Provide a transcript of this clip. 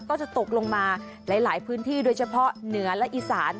ก็จะตกลงมาหลายพื้นที่โดยเฉพาะเหนือและอีสาน